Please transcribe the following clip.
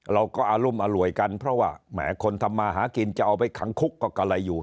อารุมอร่วยกันเพราะว่าแหมคนทำมาหากินจะเอาไปขังคุกก็กะไรอยู่